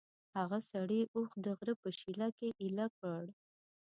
هغه سړي اوښ د غره په شېله کې ایله کړ.